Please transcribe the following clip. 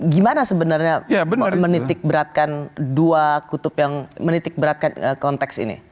gimana sebenarnya menitik beratkan dua kutub yang menitik beratkan konteks ini